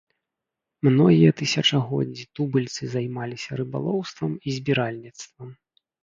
Многія тысячагоддзі тубыльцы займаліся рыбалоўствам і збіральніцтвам.